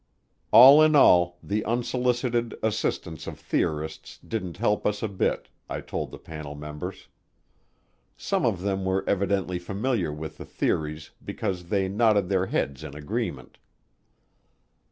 All in all, the unsolicited assistance of theorists didn't help us a bit, I told the panel members. Some of them were evidently familiar with the theories because they nodded their heads in agreement.